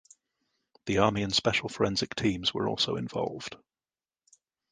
The Army and special forensic teams were also involved.